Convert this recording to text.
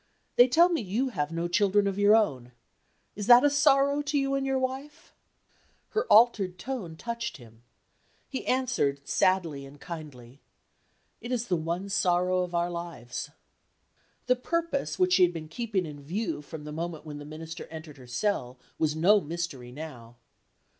They tell me you have no children of your own. Is that a sorrow to you and your wife?" Her altered tone touched him. He answered sadly and kindly: "It is the one sorrow of our lives." The purpose which she had been keeping in view from the moment when the Minister entered her cell was no mystery now.